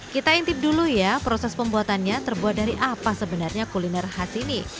kita intip dulu ya proses pembuatannya terbuat dari apa sebenarnya kuliner khas ini